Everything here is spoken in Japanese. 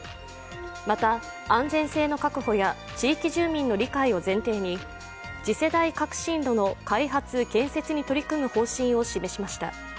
また、安全性の確保や地域住民の理解を前提に次世代革新炉の開発・建設に取り組む方針を示しました。